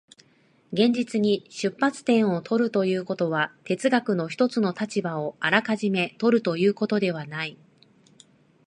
現実に出発点を取るということは、哲学の一つの立場をあらかじめ取るということではない。